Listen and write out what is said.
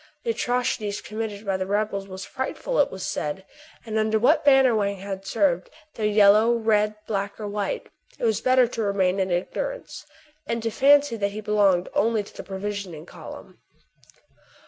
The atrocities committed by the rebels were frightful, it was said ; and under what banner Wang had served, — the yellow, red, black, or white, — it was better to remain in ignorance, and to fancy that he belonged only to the provisioning column.